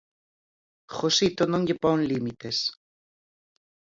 Josito non lle pon límites.